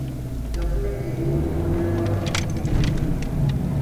Gavumenti eri mu kutonderawo abavubuka emirimu.